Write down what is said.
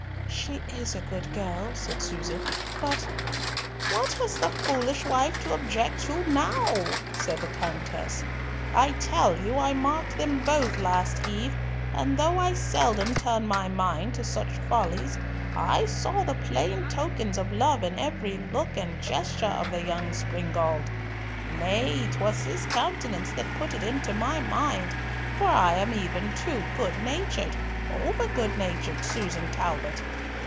"She is a good girl," said Susan, "but—" "What has the foolish wife to object now?" said the Countess. "I tell you I marked them both last eve, and though I seldom turn my mind to such follies, I saw the plain tokens of love in every look and gesture of the young springald. Nay, 'twas his countenance that put it into my mind, for I am even too good natured—over good natured, Susan Talbot.